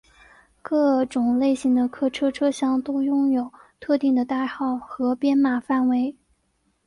各种类型的客车车厢都拥有特定的代号和编码范围。